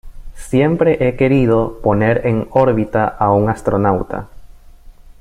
Siempre he querido poner en órbita a un astronauta.